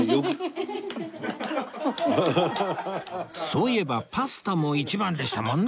そういえばパスタも１番でしたもんね